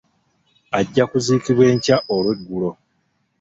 Ajja kuziikibwa enkya olweggulo.